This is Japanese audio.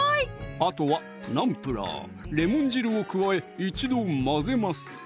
あとはナンプラー・レモン汁を加え一度混ぜます